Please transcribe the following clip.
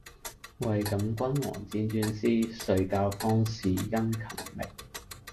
為感君王輾轉思，遂教方士殷勤覓。